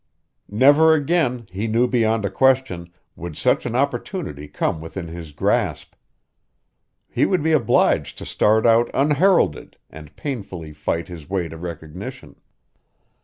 Never again, he knew beyond a question, would such an opportunity come within his grasp. He would be obliged to start out unheralded and painfully fight his way to recognition.